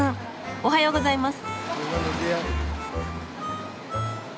おはようございます！